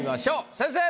先生！